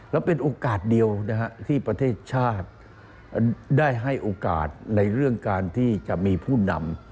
แล้วเป็นโอกาสเดียวที่ประเทศชาติได้ให้โอกาสในเรื่องการที่จะมีผู้นำ